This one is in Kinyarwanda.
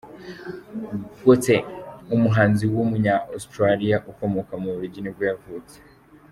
Gotye, umuhanzi w’umunya-Australia ukomoka mu Bubiligi nibwo yavutse.